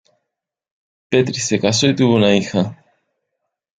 Petrie se casó y tuvo una hija.